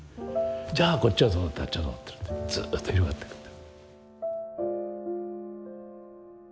じゃあこっちはどうなってあっちはどうなってるってずっと広がっていくと。